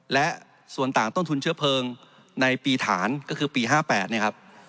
และส่วนต่างต้นทุนเชื้อเพลิงในปีฐานก็คือปี๕๘เนี่ยครับ